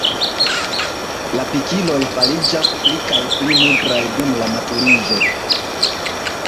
La pikiloj fariĝas pli kaj pli nigraj dum la maturiĝo.